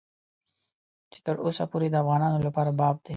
چې تر اوسه پورې د افغانانو لپاره باب دی.